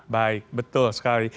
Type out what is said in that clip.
baik betul sekali